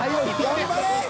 頑張れ！